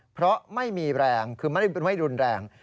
เพราะไม่มีแรงคือไม่รุนแรง